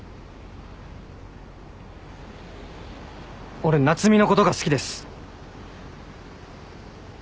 俺夏海のことが好きです。